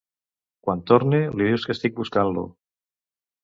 Quan torne, li dius que estic buscant-lo.